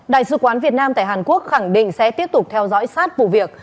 đại sứ quán việt nam tại hàn quốc khẳng định sẽ tiếp tục theo dõi sát vụ việc